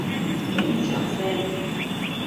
畀啲掌聲！